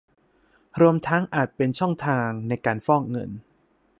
รวมทั้งอาจเป็นช่องทางในการฟอกเงิน